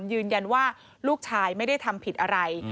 ยืนยันว่าลูกชายไม่ได้ทำผิดอะไร